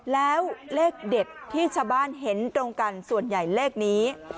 แล้วเลขเด็ดที่ชาวบ้านเห็นตรงกันส่วนใหญ่เลขนี้